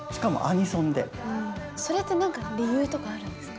それって何か理由とかあるんですか？